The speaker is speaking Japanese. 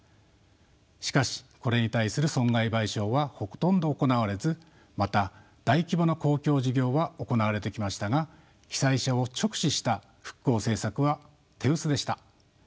しかしこれに対する損害賠償はほとんど行われずまた大規模な公共事業は行われてきましたが被災者を直視した復興政策は手薄でした。